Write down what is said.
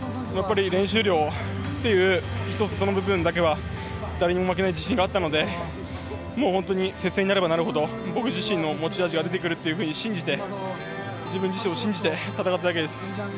練習量という１つ、その部分だけは誰にも負けない自信があったので本当に接戦になればなるほど僕の持ち味が出てくるというふうに信じて自分自身を信じて戦っただけです。